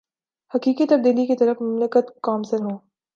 حقیقی تبدیلی کی طرف مملکت گامزن ہو